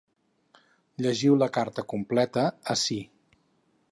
Llegiu la carta completa ací.